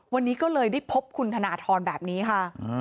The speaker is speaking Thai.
วันนี้ก็เลยได้พบคุณธนทรแบบนี้ค่ะ